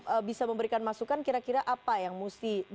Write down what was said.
kalau bisa memberikan masukan kira kira apa yang mesti